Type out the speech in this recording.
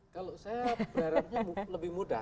kalau saya berharapnya lebih mudah